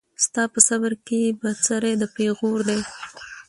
ستا په صبر کي بڅری د پېغور دی